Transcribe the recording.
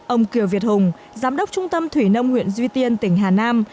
ông kiều việt hùng giám đốc trung tâm thủy nông huyện duy tiên tỉnh hà nam